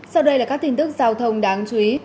sau đây là các tin tức giao thông đáng chú ý